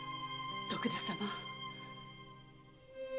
徳田様。